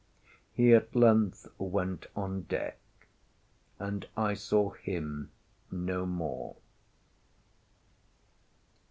He at length went on deck, and I saw him no more.